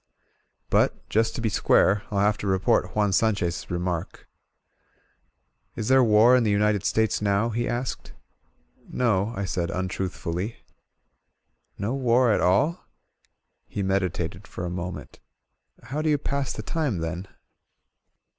But, just to be square, FU have to report Juan San chez' remark: i "Is there war in the United States now?" be asked. y "No," I said untruthfully. "No war at all?" He meditated for a moment. How do you pass the time, then